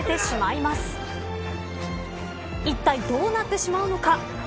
いったいどうなってしまうのか。